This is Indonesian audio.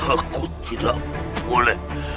aku tidak boleh